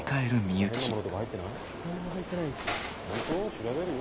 調べるよ。